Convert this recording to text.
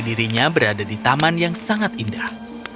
dirinya berada di taman yang sangat indah